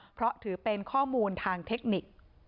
เพราะถือเป็นข้อมูลทางเทคนิค